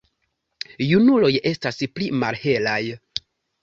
Junuloj estas pli malhelaj.